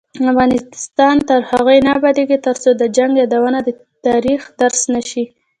افغانستان تر هغو نه ابادیږي، ترڅو د جنګ یادونه د تاریخ درس نشي.